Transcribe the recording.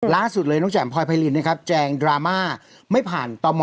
ล่าสุดเลยน้องแจ่มพลอยไพรินนะครับแจงดราม่าไม่ผ่านตม